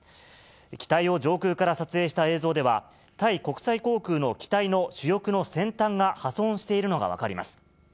機体を上空から撮影した映像では、タイ国際航空の機体の主翼の先端が破損しているのが分かります。